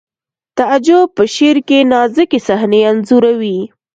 تعجب په شعر کې نازکې صحنې انځوروي